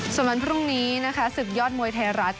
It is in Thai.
ส่วนวันพรุ่งนี้นะคะศึกยอดมวยไทยรัฐ